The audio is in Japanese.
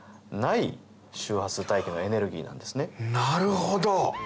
なるほど！